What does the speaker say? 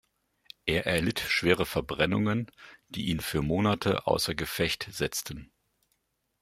Er erlitt schwere Verbrennungen, die ihn für Monate außer Gefecht setzten.